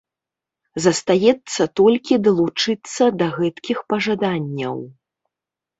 Застаецца толькі далучыцца да гэткіх пажаданняў.